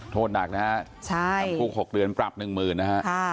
โทษหนักนะฮะจำคุก๖เดือนปรับ๑๐๐๐นะฮะ